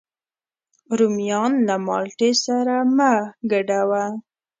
رومیان له مالټې سره مه ګډوه